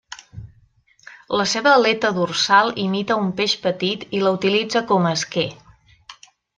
La seua aleta dorsal imita un peix petit i la utilitza com a esquer.